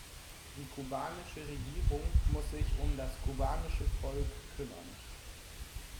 Die kubanische Regierung muss sich um das kubanische Volk kümmern.